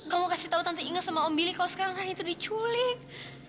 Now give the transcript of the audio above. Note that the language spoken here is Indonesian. kamu kasih tau tante inge sama om billy kau sekarang kan itu diculik